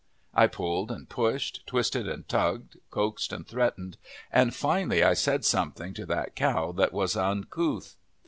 I pulled and pushed, twisted and tugged, coaxed and threatened, and finally I said something to that cow that was uncouth.